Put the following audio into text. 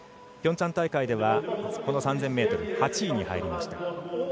ピョンチャン大会ではこの３０００ｍ８位に入りました。